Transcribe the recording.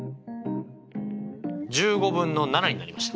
１５分の７になりました。